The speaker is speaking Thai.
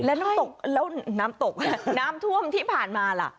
แล้วน้ำตกน้ำท่วมที่ผ่านมาล่ะ